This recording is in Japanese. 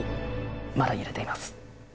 まだ揺れています。